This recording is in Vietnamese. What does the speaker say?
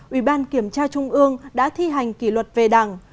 ủy ban kiểm tra trung ương đã thi hành kỷ luật về đảng